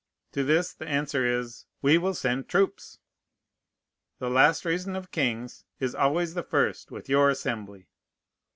To this the answer is, "We will send troops." The last reason of kings is always the first with your Assembly.